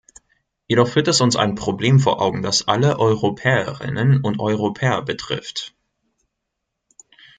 Jedoch führt es uns ein Problem vor Augen, das alle Europäerinnen und Europäer betrifft.